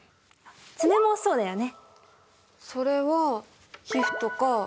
爪もそうだよね。